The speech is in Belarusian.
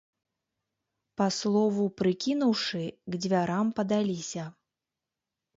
Па слову прыкінуўшы, к дзвярам падаліся.